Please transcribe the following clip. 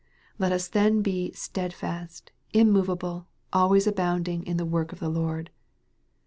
Let us then be " stedfast, im movable, always abounding in the work of the Lord."